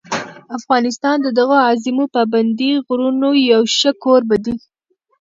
افغانستان د دغو عظیمو پابندي غرونو یو ښه کوربه دی.